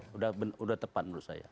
sudah tepat menurut saya